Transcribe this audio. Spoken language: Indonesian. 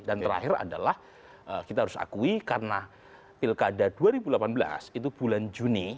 dan terakhir adalah kita harus akui karena pilkada dua ribu delapan belas itu bulan juni